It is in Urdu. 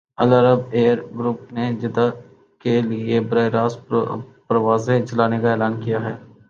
العربیہ ایئر گروپ نے جدہ کے لیے براہ راست پروازیں چلانے کا اعلان کیا ہے